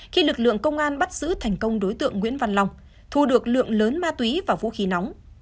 khi lực lượng công an bắt giữ thành công đối tượng nguyễn văn long thu được lượng lớn ma túy và vũ khí nóng